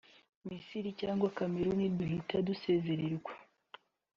Misiri cyangwa za Cameroun duhita dusezererwa